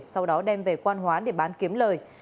sau đó đem về quan hóa để bán kiếm lời